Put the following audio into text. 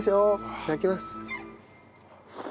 いただきます。